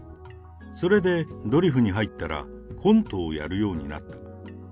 それでドリフに入ったら、コントをやるようになった。